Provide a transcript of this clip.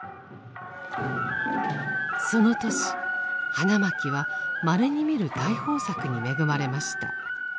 その年花巻はまれに見る大豊作に恵まれました。